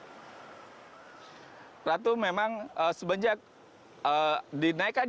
hai ratu memang sebenjak